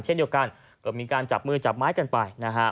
เช่นเดียวกันก็มีการจับมือจับไม้กันไปนะฮะ